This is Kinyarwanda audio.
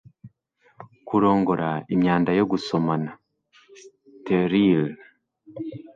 kurongora imyanda yo gusomana sterile